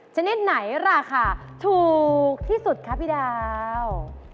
ชนิดไหนราคาถูกที่สุดคะพี่ดาว